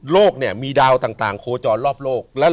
เนี่ยมีดาวต่างโคจรรอบโลก